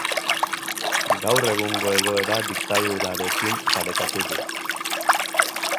Gaur egungo egoera diktadurarekin parekatu du.